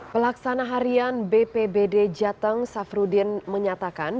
pelaksana harian bppd jateng safrudin menyatakan